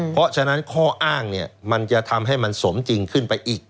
เพราะฉะนั้นข้ออ้างเนี่ยมันจะทำให้มันสมจริงขึ้นไปอีก